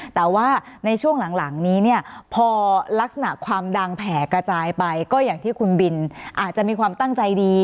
แต่ว่าในช่วงหลังนี้เนี่ยพอลักษณะความดังแผ่กระจายไปก็อย่างที่คุณบินอาจจะมีความตั้งใจดี